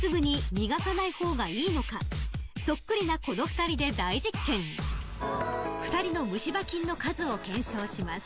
「そっくりなこの２人で大実験」「２人の虫歯菌の数を検証します」